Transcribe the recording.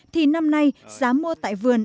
thì năm nay giá mua tại vườn